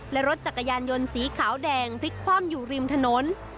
และรถจักรยานยนต์สีขาวแดงพลิกคว่ำอยู่ริมถนน